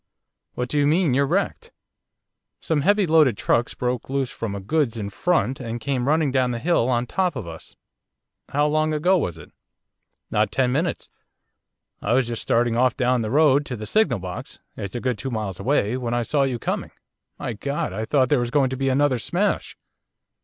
'What do you mean by you're wrecked?' 'Some heavy loaded trucks broke loose from a goods in front and came running down the hill on top of us.' 'How long ago was it?' 'Not ten minutes. I was just starting off down the road to the signal box, it's a good two miles away, when I saw you coming. My God! I thought there was going to be another smash.